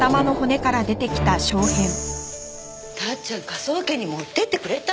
達ちゃん科捜研に持って行ってくれた？